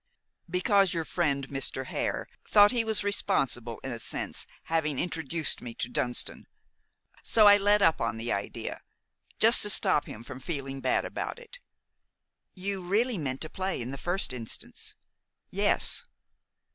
"Because your friend, Mr. Hare, thought he was responsible, in a sense, having introduced me to Dunston; so I let up on the idea, just to stop him from feeling bad about it." "You really meant to play in the first instance?" "Yes."